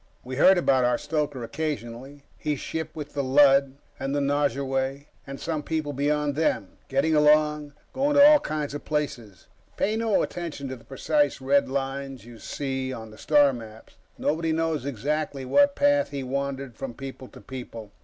We heard about our stoker, occasionally. He shipped with the Lud, and the Nosurwey, and some people beyond them, getting along, going to all kinds of places. Pay no attention to the precise red lines you see on the star maps; nobody knows exactly what path he wandered from people to people.